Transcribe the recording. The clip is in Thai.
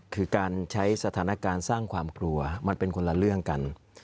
คือการใช้สถานการณ์สร้างความกลัวมันเป็นคนละเรื่องกัน